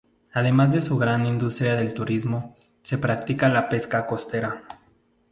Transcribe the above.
Además de la gran industria del turismo, se practica la pesca costera.